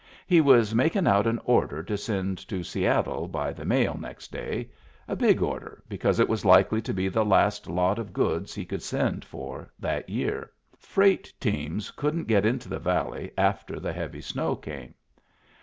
He was makin' out an or der to send to Seattle by the mail next day — a big order, because it was likely to be the last lot of goods we could send for that year. Freight teams couldn't get into the valley after the heavy snow came.